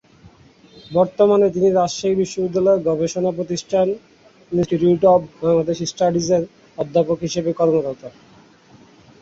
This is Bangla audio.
বর্তমানে তিনি রাজশাহী বিশ্ববিদ্যালয়ের গবেষণা-প্রতিষ্ঠান ইন্সটিটিউট অব বাংলাদেশ স্টাডিজ-এর অধ্যাপক হিসেবে কর্মরত।